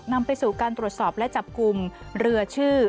นำไปสู่การตรวจสอบและจับกลุ่มเรือชื่อ